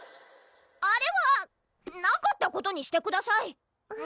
あれはなかったことにしてください！